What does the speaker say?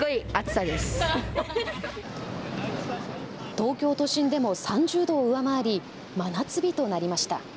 東京都心でも３０度を上回り真夏日となりました。